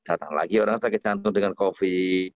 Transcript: datang lagi orang sakit jantung dengan covid